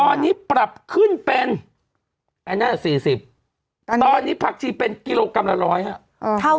ตอนนี้ปรับขึ้นเป็นไอ้นั่น๔๐ตอนนี้ผักชีเป็นกิโลกรัมละร้อยครับ